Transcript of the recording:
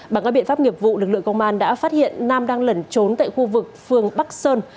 bằng các biện pháp nghiệp vụ lực lượng công an đã phát hiện nam đang lẩn trốn tại khu vực phường bắc sơn